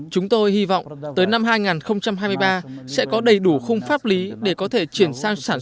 chúng tôi hy vọng tới năm hai nghìn hai mươi ba sẽ có đầy đủ khung pháp lý để có thể chuyển sang sản xuất